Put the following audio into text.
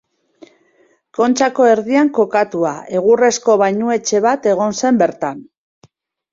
Kontxako erdian kokatua, egurrezko bainuetxe bat egon zen bertan.